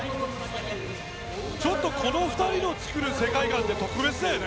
ちょっと、この２人の作る世界観って特別だよね。